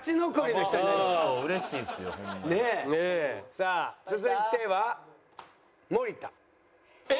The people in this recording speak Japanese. さあ続いては森田。